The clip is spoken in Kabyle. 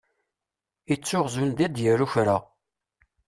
Ittuɣ zun di d-yaru kra.